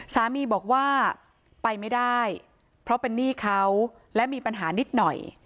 สามีบอกว่าไปไม่ได้เพราะเป็นหนี้เขาและมีปัญหานิดหน่อย